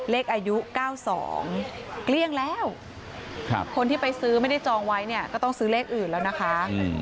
อายุ๙๒เกลี้ยงแล้วคนที่ไปซื้อไม่ได้จองไว้เนี่ยก็ต้องซื้อเลขอื่นแล้วนะคะ